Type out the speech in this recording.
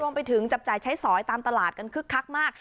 ไปถึงจับจ่ายใช้สอยตามตลาดกันคึกคักมาก